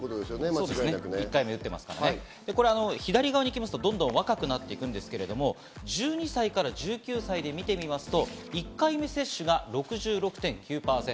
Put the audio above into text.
そうですね、１回目を打ってますから、左側に行くと、どんどん若くなっていくんですけど１２歳から１９歳で見てみますと１回目接種が６６．９％。